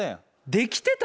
できてた？